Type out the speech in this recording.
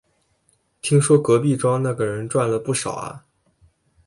听说隔壁庄那个人赚了不少啊